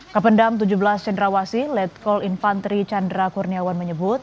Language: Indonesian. kapendam tujuh belas cendrawasi letkol infantri chandra kurniawan menyebut